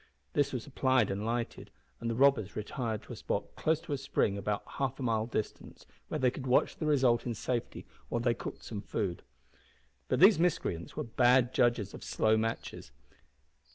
This was applied and lighted, and the robbers retired to a spot close to a spring about half a mile distant, where they could watch the result in safety while they cooked some food. But these miscreants were bad judges of slow matches!